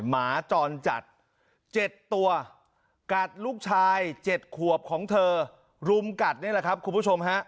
หมาจรจัด๗ตัวกัดลูกชาย๗ขวบของเธอรุมกัดนี่แหละครับคุณผู้ชมฮะ